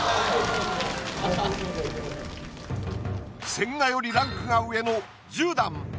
千賀よりランクが上の。